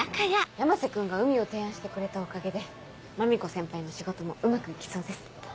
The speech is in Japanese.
・山瀬君が海を提案してくれたおかげでマミコ先輩の仕事もうまく行きそうです。